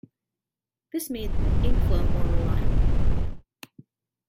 This made ink flow more reliable.